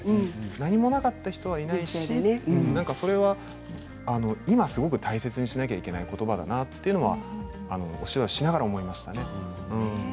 何もなかった人はいないしそれは今すごく大切にしなきゃいけないことばだなというのはお芝居をしながら思いましたね。